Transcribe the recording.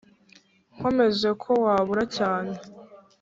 Nkomeje ko wabura cyane